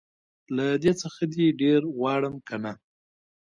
له دې څخه دي ډير غواړم که نه